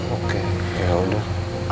oke ya udah